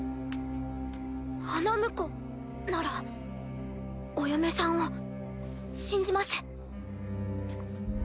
花婿ならお嫁さんを信じます。